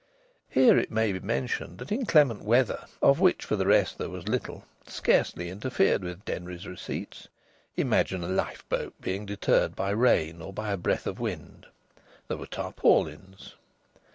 Here it may be mentioned that inclement weather (of which, for the rest, there was little) scarcely interfered with Denry's receipts. Imagine a lifeboat being deterred by rain or by a breath of wind! There were tarpaulins.